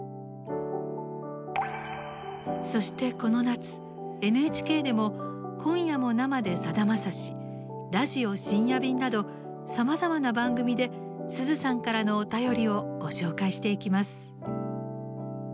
そしてこの夏ＮＨＫでも「今夜も生でさだまさし」「ラジオ深夜便」などさまざまな番組で「すずさん」からのお便りをご紹介していきます。